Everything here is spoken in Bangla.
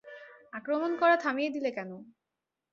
আক্রমণ করা থামিয়ে দিলে কেন?